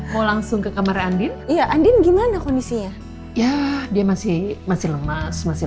mau langsung ke kamar andin iya andin gimana kondisinya ya dia masih masih lemas masih